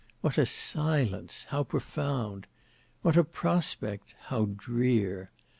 What a silence; how profound! What a prospect: how drear!